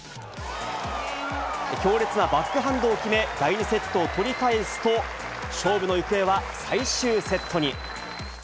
強烈なバックハンドを決め、第２セットを取り返すと、勝負の行方は最終セットに。